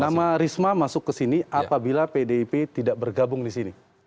nama risma masuk ke sini apabila pdip tidak bergabung di sini